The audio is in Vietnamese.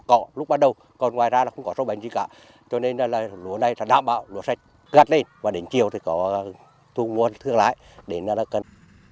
còn ngoài ra là không có số bánh gì cả cho nên là lúa này sẽ đảm bảo lúa sẽ gắt lên và đến chiều thì có thu ngôn thương lãi để nó cân